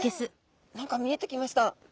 何か見えてきました。